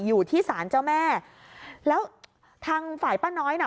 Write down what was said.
อยู่ที่ศาลเจ้าแม่แล้วทางฝ่ายป้าน้อยน่ะ